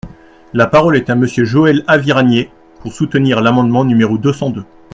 La parole est à Monsieur Joël Aviragnet, pour soutenir l’amendement numéro deux cent deux.